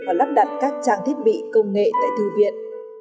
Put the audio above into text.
và lắp đặt các trang thiết bị công nghệ tại thư viện